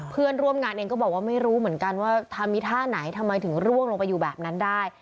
เพื่อนร่วมงานเองก็บอกว่าไม่รู้เหมือนกันว่าทำอีท่าไหนทำไมถึงร่วงลงไปอยู่แบบนั้นได้